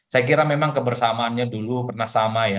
saya kira memang kebersamaannya dulu pernah sama ya